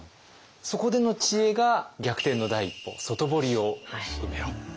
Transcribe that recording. そこでの知恵が「逆転の第一歩外堀を埋めろ！」。